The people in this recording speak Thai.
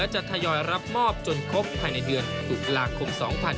จนครบภายในเดือนศุกราคม๒๕๕๙